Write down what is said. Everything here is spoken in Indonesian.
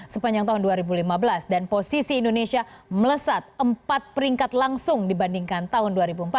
sepanjang tahun dua ribu lima belas dan posisi indonesia melesat empat peringkat langsung dibandingkan tahun dua ribu empat belas